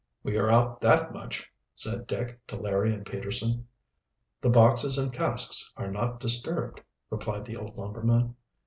"We are out that much," said Dick to Larry and Peterson. "The boxes and casks are not disturbed," replied the old lumberman.